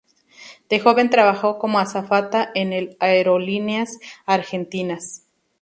De joven trabajó como azafata en el Aerolíneas Argentinas.